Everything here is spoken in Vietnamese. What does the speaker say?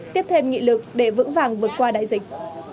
tiếp thêm nghị lực để vững vàng vượt qua đại dịch